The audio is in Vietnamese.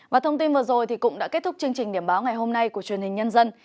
và thông tin vừa rồi cũng đã kết thúc chương trình điểm báo ngày hôm nay của truyền hình nhân dân